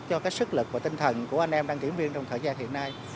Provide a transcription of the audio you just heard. cho cái sức lực và tinh thần của anh em đăng kiểm viên trong thời gian hiện nay